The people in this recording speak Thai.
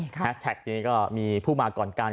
แท็กนี้ก็มีผู้มาก่อนกัน